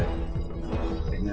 qua cái công tác